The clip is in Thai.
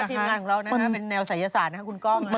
จิมงานของเราเป็นแนวสายศาสตร์คุณก้องนะ